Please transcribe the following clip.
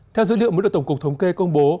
theo dữ liệu mới được tổng cục thống kê công bố